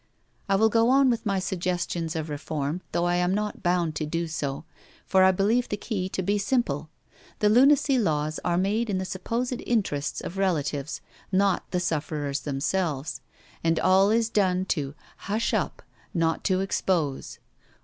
I will go on with my suggestions of reform, though I am not bound to do so, for I believe the key to be simple. The lunacy laws are made in the supposed interests of relatives, not the sufferers themselves; and all is done to 'hush up,' not to expose.